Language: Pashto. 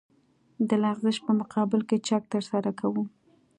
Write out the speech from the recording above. د لغزش په مقابل کې چک ترسره کوو